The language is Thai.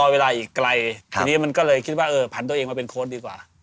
ไปก็เลยคิดว่าพันตัวเองมาเป็นโค้ชดีกว่า